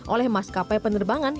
oleh maskapai penerbangan